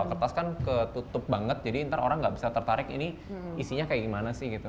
itu ketutup banget jadi nanti orang tidak bisa tertarik ini isinya seperti bagaimana sih gitu